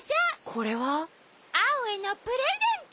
これは？アオへのプレゼント！